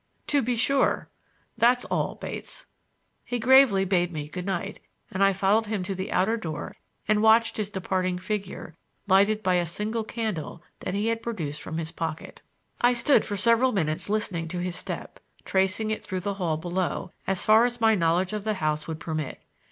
"To be sure. That's all, Bates." He gravely bade me good night, and I followed him to the outer door and watched his departing figure, lighted by a single candle that he had produced from his pocket. I stood for several minutes listening to his step, tracing it through the hall below—as far as my knowledge of the house would permit.